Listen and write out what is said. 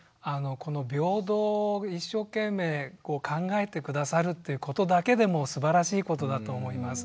この平等を一生懸命考えて下さるっていうことだけでもすばらしいことだと思います。